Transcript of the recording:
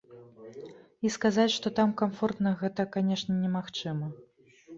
І сказаць, што там камфортна гэта, канешне, немагчыма.